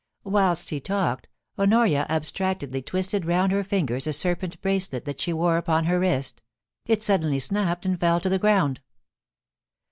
Whilst he talked Honoria abstractedly twisted round her fingers a serpent bracelet that she wore upon her wrist ; it suddenly snapped and fell to the ground.